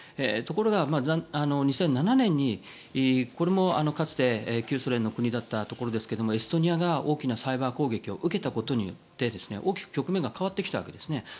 ところが２００７年にこれもかつて旧ソ連の国だったところですがエストニアが大きなサイバー攻撃を受けたことによって大きく局面が変わってきたわけですね。